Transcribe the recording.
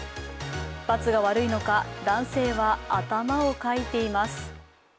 ばつが悪いのか、男性は頭をかいています。